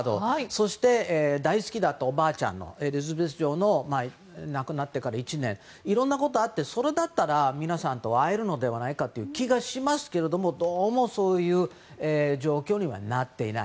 そして大好きだったおばあちゃんのエリザベス女王の１年のいろいろなことがあってそれだったら、皆さんと会えるのではという気がしますがどうもそういう状況にはなっていない。